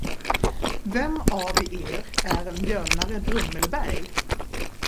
Vem av er är mjölnare Drummelberg?